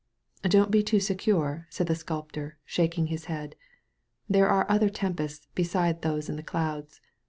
"Don*t be too secure/' said the sculptor, shaking his head. ''There are other tempests besides those in the clouds.